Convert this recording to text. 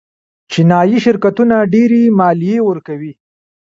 چینايي شرکتونه ډېرې مالیې ورکوي.